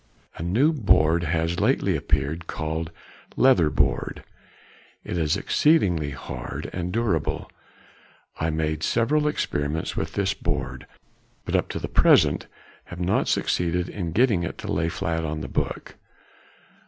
A new board has lately appeared called leather board; it is exceedingly hard and durable. I made several experiments with this board, but up to the present have not succeeded in getting it to lay flat on the book.